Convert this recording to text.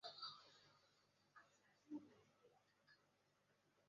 这部电影是新加坡建国五十周年电影。